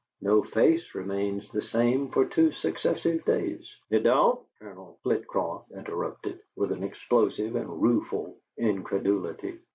No face remains the same for two successive days " "It don't?" Colonel Flitcroft interrupted, with an explosive and rueful incredulity.